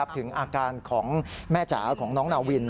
ถึงอาการของแม่จ๋าของน้องนาวิน